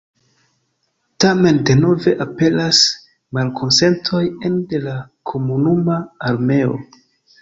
Tamen denove aperas malkonsentoj ene de la komunuma armeo.